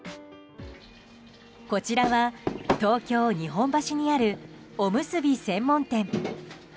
こちらは、東京・日本橋にあるおむすび専門店。